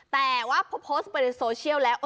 แต่ว่าพอโพสต์ไปในโซเชียลแล้ว